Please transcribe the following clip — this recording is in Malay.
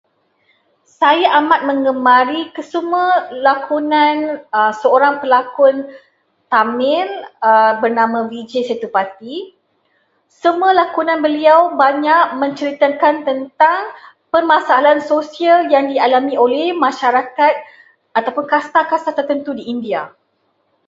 Saya amat menggemari kesemua lakonan seorang pelakon Tamil bernama Vijay Sethupathi. Semua lakonan beliau banyak menceritakan tentang permasalahan sosial yang dialami oleh masyarakat ataupun kasta-kasta tertentu di India.